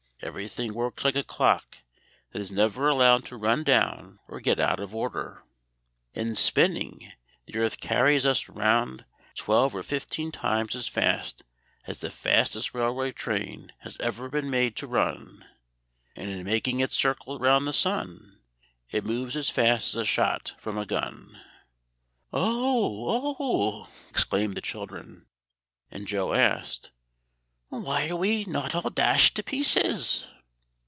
Everything works like a clock that is never allowed to run down or get out of order. In spinning, the earth carries us round twelve or fifteen times as fast as the fastest railway train has ever yet been made to run; and in making its circle round the sun, it moves as fast as a shot from a gun." "Oh! oh!" exclaimed the children; and Joe asked, "Why are we not all dashed to pieces?"